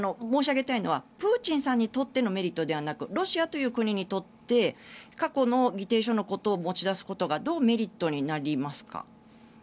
申し上げたいのはプーチンさんにとってのメリットではなくロシアという国にとって過去の議定書のことを持ち出すことがどうメリットになりますか？